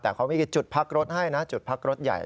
แต่เขามีจุดพักรถให้นะจุดพักรถใหญ่